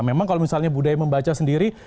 memang kalau misalnya budaya membaca sendiri